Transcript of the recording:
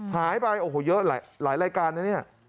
หายไปโอ้โหเยอะหลายรายการนะเนี่ย